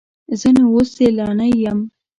زه نو اوس سیلانی یم.